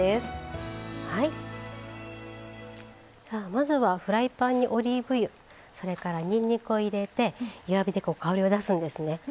今度はまずはフライパンにオリーブ油それからにんにくを入れて弱火で香りを出すんですね。